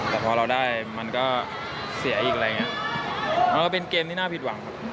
แต่พอเราได้มันก็เสียอีกอะไรอย่างเงี้ยมันก็เป็นเกมที่น่าผิดหวังครับ